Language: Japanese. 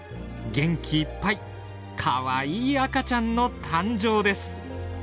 元気いっぱいかわいい赤ちゃんの誕生です。